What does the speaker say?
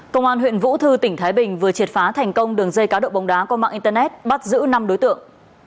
công an huyện vũ thư tỉnh thái bình vừa triệt phá thành công đường dây cá độ bóng đá qua mạng internet bắt giữ năm đối tượng